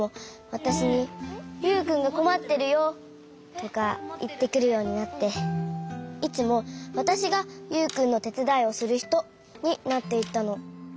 わたしに「ユウくんがこまってるよ」とかいってくるようになっていつもわたしがユウくんのてつだいをするひとになっていったの。